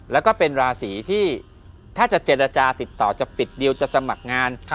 แล้วก็เป็นราศีที่ถ้าจะเจรจาติดต่อจะปิดเดียวจะสมัครงาน